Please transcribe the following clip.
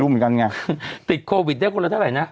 แล้วเอาเงินที่ใดให้อะ